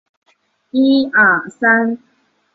某些国家的警告标志是菱形的。